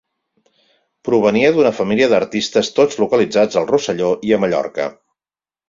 Provenia d'una família d'artistes tots localitzats al Rosselló i a Mallorca.